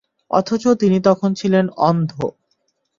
অথচ তিনি তখন ছিলেন অন্ধ।